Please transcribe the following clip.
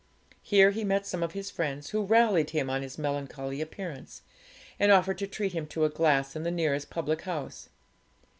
Here he met some of his friends, who rallied him on his melancholy appearance, and offered to treat him to a glass in the nearest public house.